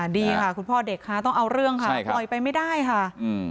ดีค่ะคุณพ่อเด็กค่ะต้องเอาเรื่องค่ะปล่อยไปไม่ได้ค่ะ